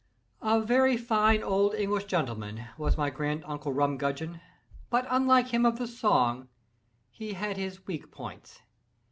A very "fine old English gentleman," was my grand uncle Rumgudgeon, but unlike him of the song, he had his weak points.